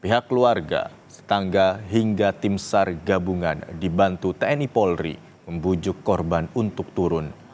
pihak keluarga tetangga hingga tim sar gabungan dibantu tni polri membujuk korban untuk turun